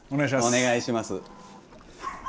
お願いします。